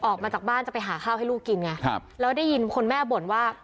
ออกมาจากบ้านจะไปหาข้าวให้ลูกกินไงครับแล้วได้ยินคนแม่บ่นว่า